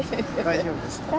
大丈夫ですか？